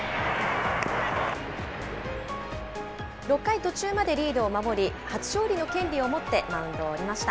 ６回途中までリードを守り、初勝利の権利を持ってマウンドを降りました。